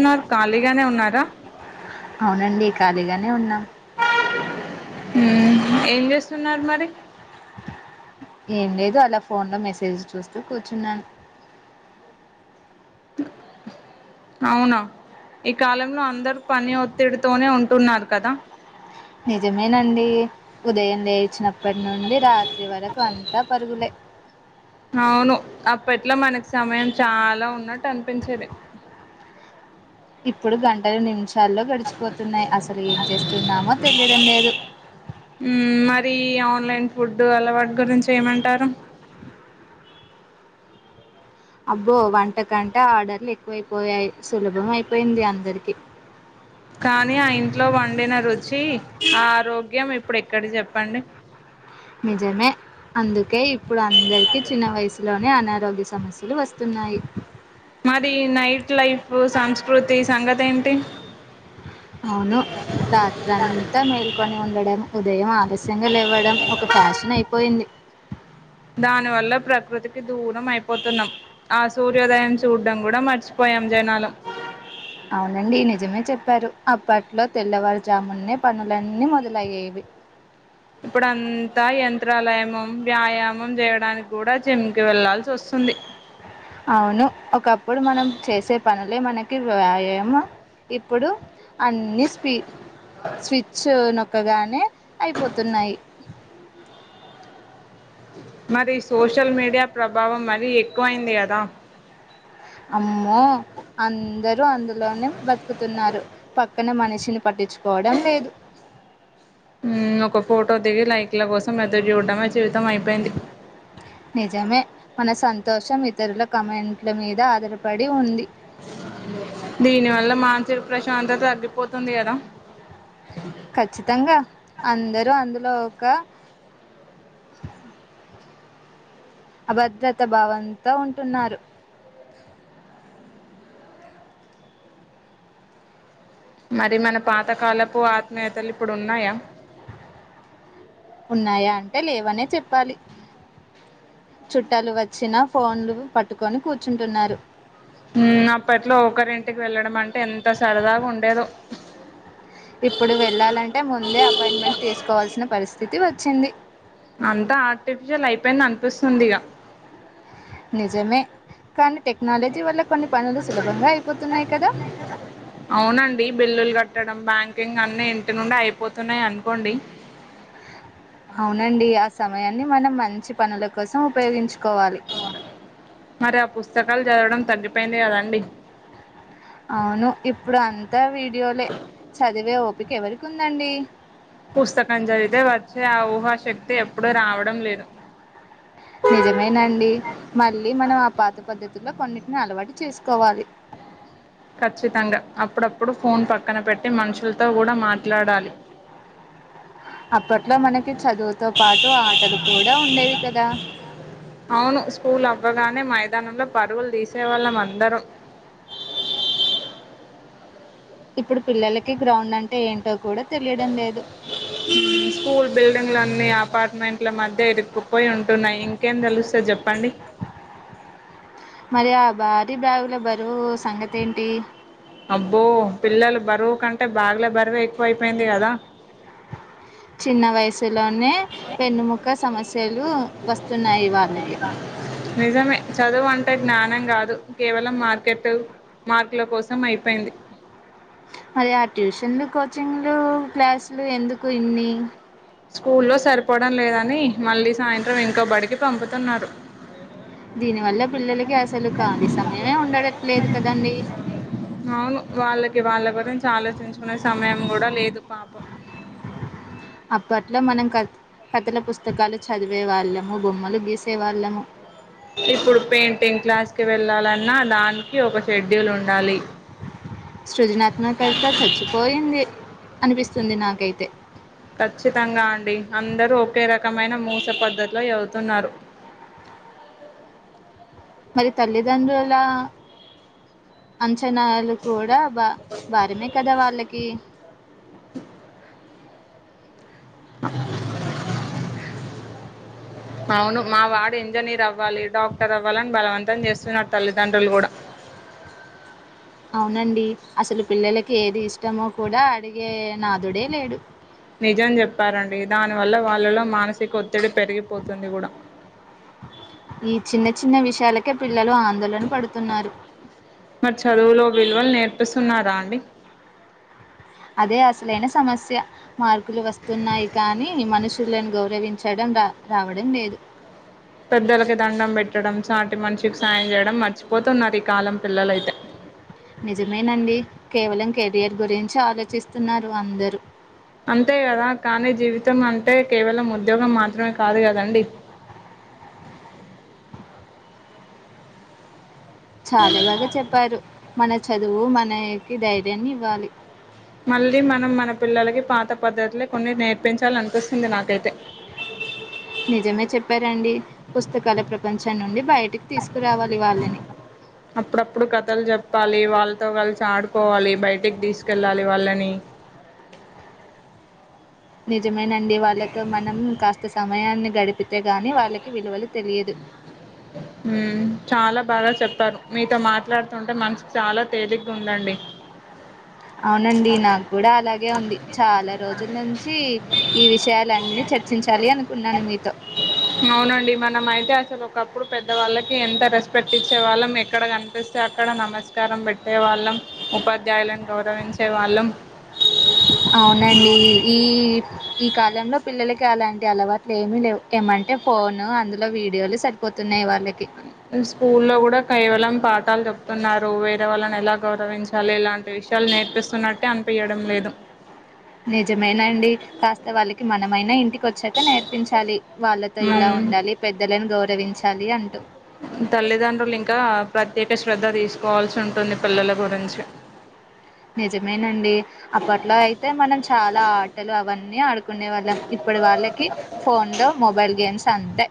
Inner ఖాళీగానే ఉన్నారా అవునండి ఖాళీగానే ఉన్నాం. హ్మ్ ఏం చేస్తున్నారు మరి ఏం లేదు అలా ఫోన్లో మెసేజ్ చూస్తూ కూర్చున్నాను అవునా ఈ కాలంలో అందరు పని ఒత్తిడితోనే ఉంటున్నారు కదా నిజమేనండి ఉదయం లేచినప్పటి నుండి రాత్రి వరకు అంతా పరుగులే. అవును అప్పట్లో మనకి సమయం చాలా ఉన్నట్టు అనిపించేది. ఇప్పుడు గంటలు నిమిష్ చాల్లో గడిచిపోతున్నాయి. అసలు ఏం చేస్తున్నామో తెలియడం లేదు. ఫ్రీ ఆన్లైన్ ఫుడ్ అలవాటు గురించి ఏమంటారు. అబ్బో వంటకంటే ఆర్డర్లు ఎక్కువైపోయాయి. సులభం అయిపోయింది. అందరికి కానీ ఆ ఇంట్లో వండిన రుచి, ఆరోగ్యం ఇప్పుడు ఎక్కడది చెప్పండి. నిజమే అందుకే ఇప్పుడు అందరికి చిన్న వయసులోనే అనా ఆరోగ్య సమస్యలు వస్తున్నాయి. మరి నైట్ లైఫ్ సంస్కృతి సంగతి ఏంటి అవును రాత్రంతా మేల్కొని ఉండడం ఉదయం ఆలస్యంగా లేవ్వడం ఒక ఫ్యాషన్ అయిపోయింది. దాని వల్ల ప్రకృతికి దూరం అయిపోతున్నాం. ఆ సూర్యోదయం చూడ్డం కూడా మర్చిపోయాం జనాలం. అవునండి నిజమే చెప్పారు అప్పట్లో తెల్లవారుజామున్నే పనులన్నీ మొదలయ్యేవి. ఇప్పుడు అంతా యంత్రాలయము వ్యాయామం చేయడానికి కూడా జిమ్కిి వెళ్లాల్సి వస్తుంది. అవును ఒకప్పుడు మనం చేసే పనులే మన వ్యాయామం ఇప్పుడు అన్ని స్పీ స్విచ్ నొ చక్కగానే అయిపోతున్నాయి మరి సోషల్ మీడియా ప్రభావం మరీ ఎక్కువయింది కదా అమ్మో అందరూ అందులోనే బతుకుతున్నారు ప కన మని షిని పట్టించుకోవడం లేదు ఒక ఫోటో దిగి లైక్ల కోసం ఏద్రు చూడడం మచి నిజమే మన శంత్ తోషం ఇతరుల కమెంట్ల మీద ఆధారపడి ఉంది దీని వల్ల మానసిక ప్రశాంత తగ్గిపోతుంది కదా ఖచ్చితంగా అందరూ అందులో ఒక అభద్రతా భావంతో ఉంటున్నారు మరి మన పాతకాలపు ఆత్మీయతలు ఇప్పుడు ఉన్నాయా ఉన్నాయా అంటే లేవనే చెప్పాలి చుట్టాలు వచ్చినా ఫోన్లు పట్టుకొని కూర్చుంటున్నారు ఉమ్ అప్పట్లో ఒకరింటికి వెళ్ళడం అంటే ఎంత సరదాగా ఉండేదొ ఇప్పుడు వెళ్ళాలంటే ముందే అపాయింట్మెంట్ తీసుకోవాల్సిన పరిస్థితి వ చ్చింది అంతా ఆర్టిఫిషియల్ అయిపోయింది అనిపిస్తుంది ఇగ నిజమే కానీ టెక్నాలజీ వల్ల కొన్ని పనులు సులభంగా అయిపోతున్నాయి్ కదా అన్ని ఇంటి నుండే అయిపోతున్నాయి అనుకోండి అవునండి ఆ సమయాన్ని మనం మంచి పనులకు కోసం ఉపయోగించుకోవాలి స్తకాలు చదవడం తగ్గిపోయింది కదండి అవును ఇప్పుడు అంతా వీడియోలే చదివే ఓపికెవరికి ఉందండి పుస్తకం చదివితే వచ్చే ఆ ఊహాశక్తి ఎప్పుడు రావడం లేదు నిజమేనండి మళ్ళీ మనం ఆ పాత పద్ధతులో కొన్నిటిని అలవాటు చేసుకోవాలి ఖచ్చితంగా అప్పుడప్పుడు ఫోన్ పక్కన పెట్టి మనుషులతో కూడా మాట్లాడాలి అప్పట్లో మనకి చదువుతో పాటు ఆటలు కూడా ఉండేవి కదా అవును స్కూల్ అవ్వగానే మైదానంలో పరువులు తీసు చేవాళ్ళం అందరం ఇప్పుడు పిల్లలకి గ్రౌండ్ అంటే ఏంటో కూడా తెలియడం లేదు స్కూల్ బిల్డ్ ఇంగ్లన్ నీ అపాట్ మెంట్ల మధ్య ఇరుక్కుపోయి ఉంటున్నాయి ఇంకేం తెలుస్తది చెప్పండి మరి ఆ భారీ బాగు ల బరువు సంగతి ఏంటి అబ్బో పిల్లలు బరువు కంటే బాగులే బరువు ఎక్కువ అయిపోయింది కదా చిన్న వయసు లోనే వెన్నుముక్క సమస్య లు వస్తున్నాయి వాళ్ళకి నిజామే చదువు అంటే జ్ఞానం కాదు కేవలం మార్కెట్ మార్కుల కోసం అయిపోయింది మరి ఆ ట్యూషన్లు కోచింగ్లు క్లాసులు ఎందుకు ఇన్ని స్కూల్లో సరిపోవడం లేదని మళ్ళీ సాయంత్రం ఇంకా బడికి పంపుతున్నారు దీని వల్ల పిల్లలకి అసలు ఖాళీ సమయమే ఉండటట్లేదు కదండి అవును వాళ్ళకి వాళ్ళ గురించి ఆలోచించుకునే సమయం కూడా లేదు పాపం అప్పట్లో మనం కత్ కథల పుస్తకాలు చదివే వాళ్ళము బొమ్మలు గీసే వాళ్ళము ఇలా దానికి ఒక షెడ్యూల్ ఉండాలి సృజనాత్మకత చచ్చిపోయింది అనిపిస్తు స్తుంది నాకైతే ఒకరకమైన మూస పద్ధతిలో చదువు తున్నారు మరి తల్లిదండ్రులా అంచ నాలు కూడా బా భారమే కదా వాళ్ళకి అవును మా వాడు ఇంజనీర్ అవ్వాలి డాక్టర్ అవ్వాలని బలవంతం చేస్తున్నారు తల్లిదండ్రులు లగూడ అవునండి అసలు పిల్లలకి ఏది ఇష్టమో కూడా అడిగే నాథుడే లేడు నిజం చెప్పారండి దాని వల్ల వాళ్ళలో మానసిక ఒత్తిడి పెరిగిపోతుంది కూడా చాలే ప్ర [unintelligible] మరి చదువులో విలువలు నేర్పిస్తున్నారా అ [inaudible] అదే అసలైన సమస్య మార్కులు వస్తున్నాయి కానీ మనుషులను గౌరవించడం రా రావడం లేదు పెద్దలకి దండం పెట్టడం చాటి మనిషికి సాయం చేయడం మర్చిపోతున్నారు ఈ కాలం పిల్లలైతే నిజమేనండి కేవలం కెరియర్ గురించి ఆలోచిస్తున్నారు అందరూ అంతే కదా కానీ జీవితం అంటే కేవలం ఉద్యోగం మాత్రమే కాదు కదండి చాలా బాగా చెప్పారు మన చదువు మనకి ధైర్యాన్ని ఇవ్వాలి మళ్ళీ మనం మన పిల్లలకి పాత పద్ధతులే కొన్ని నేర్పించాలనిపిస్తుంది నాకైతే నిజమే చెప్పారు రండి పుస్తకాల ప్రపంచాం నుండి బయటికి తీసుకురావాలి వాళ్ళని అప్పుడప్పుడు కథలు చెప్పాలి వాళ్ళతో కలిసి ఆడుకోవాలి బయటికి తీసుకెళ్ళాలి వాళ్ళని నిజమేనండి వాళ్లతో మనం కాస్త సమయాన్ని గడిపితే గానీ వాళ్ళకి విలువలు తెలిదు చాలా బాగా చెప్పారు మీతో మాట్లాడుతుంటే మనసు చాలా తేలిగ్గా ఉందండి అవునండి నాకు కూడా అలాగే ఉంది చాలా రోజుల నుంచి ఈ విషయాలన్ని చర్చించాలి అనుకున్నాను మీతో అవునండి మనం అయితే అసలు ఒకప్పుడు పెద్దవాళ్ళకి ఎంత రెస్పెక్ట్ ఇచ్చేవాళ్ళం ఎక్కడ కనిపిస్తే అక్కడ నమస్కారం పెట్టే వాళ్ళం ఓ పద్ద విద్యాయలాన్ గౌరవించేవాళ్ళం అవునండి ఈ ఈ కాలంలో పిల్లలకి అలాంటి అలవాట్లు ఏమి లేవు ఏమంటే ఫోన్ అందులో వీడియోలు సరిపోతున్నాయి వాళ్ళ స్కూలో కూడా కైవలం పా తల్ చెప్తున్నారు వేరే వాళ్ళని ఎలా గౌరవించాలి ఇలాంటి విషయాలు నేర్పిస్తున్నట్టే అనిపించడం లేదు నిజమేనా అండి కాస్త వాళ్ళకి మనమైనా ఇంటికి వచ్చాక నేర్పించాలి వాళ్ళతో ఇలా మ్మ్ ఉండాలి పెద్దలని గౌర దవించాలి అంటూ తల్లిదండ్రులు ఇంకా ప్రత్యేక శ్రద్ధ తీసుకోవాల్సి ఉంటుంది పిల్లల గురించి నిజమేనండి అప్పట్లో అయితే మనం చాలా ఆటలు అవన్ అన్ని అడు కునే వాళ్ళం ఇప్పుడు వాళ్ళకి ఫోన్ లో మొబైల్ గేమ్స్ సంతె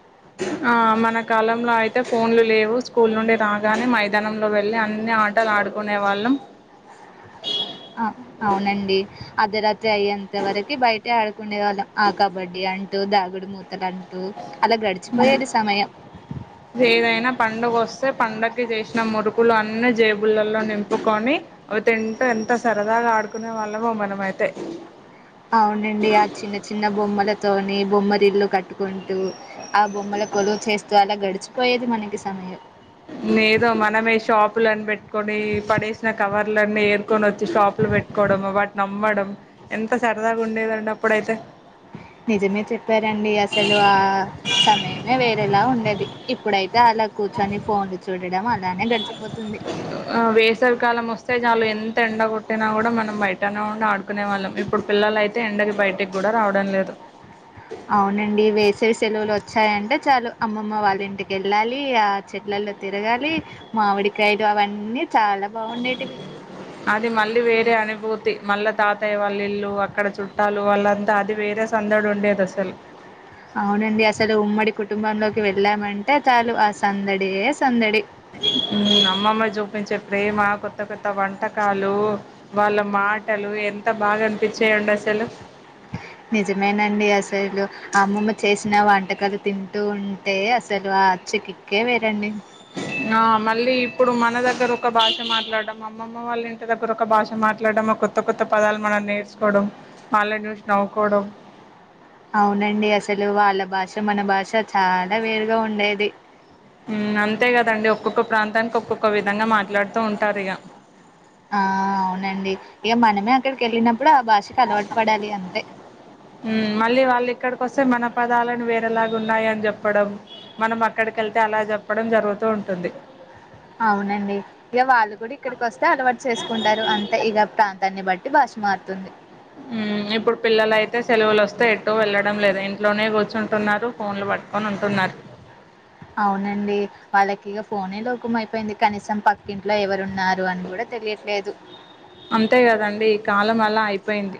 ఆ మన కాలంలో అయితే ఫోన్లు లేవు స్కూల్ నుండి రాగానే మైదానంలో వెళ్ళి అన్ని ఆటలు ఆడుకునే వాళ్ళం తే అయ్యేంత వరకు బయట ఆడుకునే వాళ్ళం ఆ కబడ్డీ అం టు దాగుడు మూతలు అంటూ అలా గడిచిపోయేది సమయం సే పండగకి చేసిన మురుకులు అన్ని జేబులలో నింపుకొని అవి తింటూ ఎంత సరదాగా ఆడుకునే వాళ్ళమో మనమైతే అవునండి ఆ చిన్న చిన్న బొమ్మలతోని బొమ్మరిల్లు కట్టుకుంటూ ఆ బొమ్మల కొలువు చేస్తూ అలా గడుచు పోయేది మనీకి సమయం ఏదో మనమే షాపులన్న పెట్టుకొని పడేసిన కవర్లన్నీ ఏర్కొని వచ్చి షాపు లో పెట్టుకోవడం వాటిని అమ్మడం ఎంత సరదాగా ఉండేదండి అప్పుడైతే నిజమే చెప్పారండి అసలు ఆ సమయమే వేరేలా ఉండేది ఇప్పుడైతే అలా కూర్చొని ఫోన్లు చూడడం అలానే గడిచిపోతుంది ఆ వేసవికాలం వస్తే చాలు ఎంత ఎండ కొట్టినా కూడా మనం బయటనే ఉండి ఆడుకునే వాళ్ళం ఇప్పుడు పిల్లలయితే ఎండకి బయటికి కూడా రావడం లేదు అవునండి వేసవి సెలవులు వచ్చాయంటే చాలు అమ్మమ్మ వాళ్ళ ఇంటికి వెళ్ళాలి ఆ చెట్లల్లో తిరగాలి మామిడికాయలు అవన్నీ చాలా బాగుండేటివి అది మళ్ళీ వేరే అనుభూ తి మళ్ళా తాతయ్య వాళ్ళ ఇల్లు అక్కడ చుట్టాలు వాళ్ళంతా అది వేరే సందడు ఉండేది అసలు అవునండి అసలు ఉమ్మడి కుటుంబంలోకి వెళ్ళామంటే చాలు ఆ సందడే సందడి హ్మ్ అమ్మమ్మ జూపించే ప్రేమ కొత్త కొత్ కొత్త వంటకాలు వాళ్ళ మాటలు ఎంత బాగా అనిపిస్ నిజమేనండి అసలు అమ్మమ్మ చేసినా వం వంటకాలు తింటూ ఉంటే అసలు ఆ అచ్చ ఎ కిక్ ఎ వేరండి ఆ మళ్ళీ ఇప్పుడు మన దగ్గర ఒక భాష మాట్లాడడం అమ్మమ్మ వాళ్ళ ఇంటి దగ్గర ఒక భాష మాట్లాడం కొత్త కొత్త పదాలు మనం నేర్చుకోవడం మళ్ళ చూసి నవ్వుకోవడం అవునండి అసలు వాళ్ళ భాష మన భాష చాలా వేరుగా ఉండేది హ్మ్ అంతే కదండి ఒక్కొక్క ప్రాంతానికి ఒక్కొక్క విధంగా మాట్లాడుతూ ఉంటారు ఇగ ఆ అవునండి ఇగ మనమే అక్కడికి వెళ్ళినాం ఇప్పుడు ఆ భాషకు అలవాటు పడాలి అంతే కొస్తే మన పదాలను వేరేలాగ ఉన్నాయని చెప్పడం మనం అక్కడికి వెళ్తే అలా చెప్పడం జరుగుతూ ఉంటుంది అవునండి ఇగ వాళ్ళు కూడా ఇక్కడికి వస్తే అలవాటు చేసుకుంటారు అంతే ఇక ప్రాంతాన్ని బట్టి భాష మారుతుంది ఇప్పుడు పిల్లలయితే సెలవులు వస్తే ఎటు వెళ్ళడం లేదు ఇంట్లోనే కూర్చుంటున్నారు ఫోన్లు పట్టుకొంటున్నరు అవునండి వాళ్ళకి ఇక ఫోనే లోకమైపోయింది కనీసం పక్కింట్లో ఎవరున్నారు అని కూడా తెలియట్లేదు అంతే కదండి ఈ కాలం అలా అయిపోయింది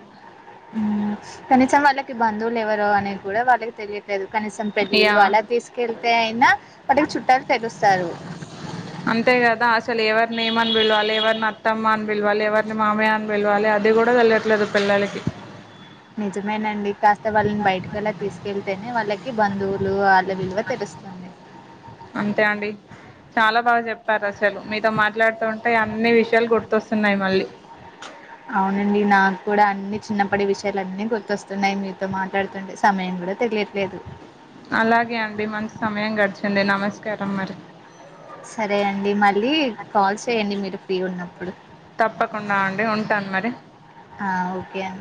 కనీసం వాళ్ళకి బంధువులు ఎవరు అనేది కూడా వాళ్ళకి తెలియట్లేదు కనీసం యా పెళ్ళిళ్ళు అలా తీసుకెళ్తే అయినా వాటికి చుట్టాలు తెలుస్తారు అంతే కదా అసలు ఎవరిని ఏమని పిలవాలి ఎవరిని అత్తమ్మ అని పిలవాలి ఎవరిని మామయ్య అని పిలవాలి అది కూడా తెలియట్లేదు పిల్లలకి నిజమేనండి కాస్త వాళ్ళని బయటకలా తీసుకెళ్తేనే వాళ్ళ బంధువులు విలువ తెలుస్తుంది అంతే అండి చాలా బాగా చెప్ ప్పారు అసలు మీతో మాట్లాడుతుంటే అన్ని విషయాలు గుర్తొస్తున్నాయి మళ్ళీ అవునండి నాకు కూడా అన్ని చిన్నప్పటి విషయాలన్నీ గుర్తొస్తున్నాయి మీతో మాట్లాడుతుంటే సమయం కూడా తెలిట్లేదు అలాగే అండి మంచి సమయం గడిచింది నమస్కారం మరి సరే అండి మళ్ళీ కాల్ చేయండి మీరు ఫ్రీ ఉన్నప్పుడు తప్పకుండా అండి ఉంటాను మరి ఆ, ఓకే అండి